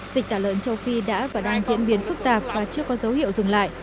dịch tả lợn châu phi đã và đang diễn biến phức tạp và chưa có dấu hiệu dừng lại